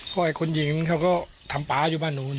ก็ไอ้คนหญิงเขาก็ทำป๊าอยู่บ้านนู้น